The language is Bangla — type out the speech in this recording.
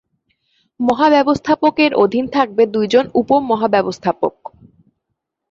মহাব্যবস্থাপক এর অধিনে থাকবে দুইজন উপ-মহাব্যবস্থাপক।